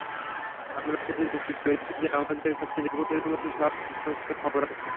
আমরা শুধু নিশ্চিত করছি যে আমাদের কাছে রিপোর্টের মধ্যে সমস্ত তথ্য আছে।